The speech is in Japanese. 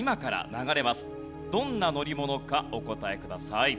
どんな乗り物かお答えください。